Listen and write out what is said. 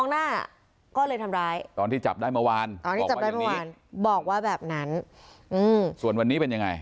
อ๋อนี่จับได้เมื่อวานบอกว่าแบบนั้นอืมส่วนวันนี้เป็นยังไง